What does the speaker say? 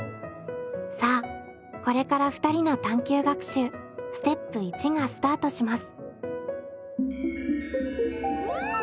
さあこれから２人の探究学習ステップ１がスタートします。